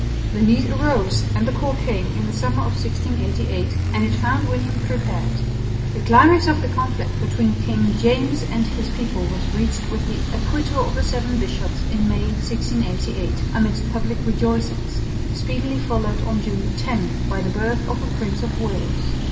The need arose and the call came in the summer of 1688, and it found William prepared. The climax of the conflict between King James and his people was reached with the acquittal of the Seven Bishops in May, 1688, amidst public rejoicings, speedily followed on June 10 by the birth of a Prince of Wales.